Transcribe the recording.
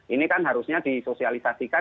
ini kan harusnya disosialisasikan